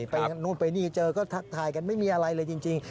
ไปนู่นไปนี่เจอก็ทักทายกันไม่มีอะไรเลยจริง